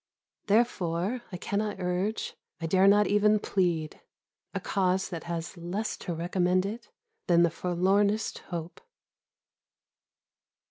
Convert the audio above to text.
Therefore I cannot urge, I dare not even plead, a cause that has less to recommend it than the forlornest hope.